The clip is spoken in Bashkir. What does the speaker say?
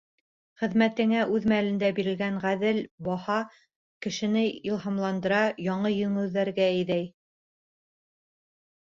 Хеҙмәтеңә үҙ мәлендә бирелгән ғәҙел баһа кешене илһамландыра, яңы еңеүҙәргә әйҙәй.